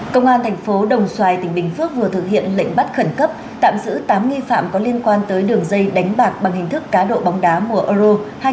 công an thành phố đồng xoài tỉnh bình phước vừa thực hiện lệnh bắt khẩn cấp tạm giữ tám nghi phạm có liên quan tới đường dây đánh bạc bằng hình thức cá độ bóng đá mùa euro hai nghìn hai mươi